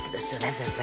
先生